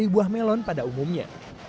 buah melon pada umumnya